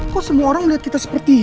kok semua orang melihat kita seperti ini